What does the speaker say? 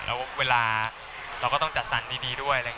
แล้วเวลาเราก็ต้องจัดสรรดีด้วย